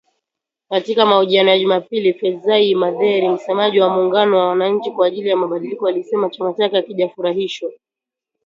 Katika mahojiano ya Jumapili, Fadzayi Mahere, msemaji wa muungano wa wananchi kwa ajili ya mabadiliko, alisema chama chake hakijafurahishwa.